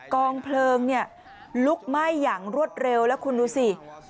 กองเพลิงลุกไหม้อย่างรวดเร็วแล้วคุณดูสิ